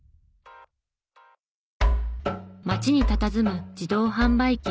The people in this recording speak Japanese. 街にたたずむ自動販売機。